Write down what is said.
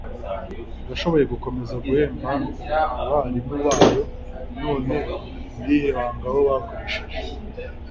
yashoboye gukomeza guhemba abarimu bayo, none ni irihe banga bo bakoresheje?